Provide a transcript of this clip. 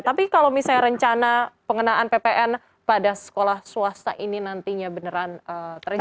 tapi kalau misalnya rencana pengenaan ppn pada sekolah swasta ini nantinya beneran terjadi